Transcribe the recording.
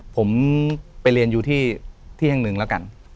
ผมไปเรียนอยู่ที่แห่งหนึ่งแล้วกัน